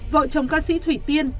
vợ chồng ca sĩ thủy tiên